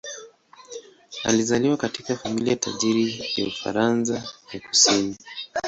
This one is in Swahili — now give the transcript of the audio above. Alizaliwa katika familia tajiri ya Ufaransa ya kusini.